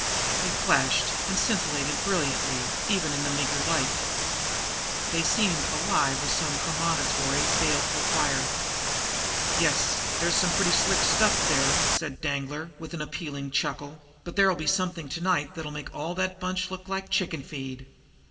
They flashed and scintillated brilliantly, even in the meager light. They seemed alive with some premonitory, baleful fire. "Yes, there's some pretty slick stuff there," said Danglar, with an appraising chuckle; "but there'll be something to night that'll make all that bunch look like chicken feed.